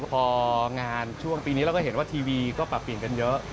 พองานช่วงปีนี้เราก็เห็นว่าทีวีก็ปรับเปลี่ยนกันเยอะ